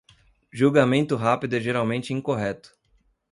Julgamento rápido é geralmente incorreto.